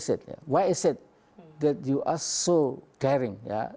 mengapa mereka katakan bahwa anda sangat berani ya